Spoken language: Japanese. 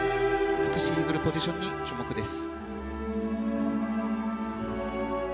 美しいイーグルポジションに注目です。